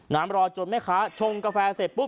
รอจนแม่ค้าชงกาแฟเสร็จปุ๊บ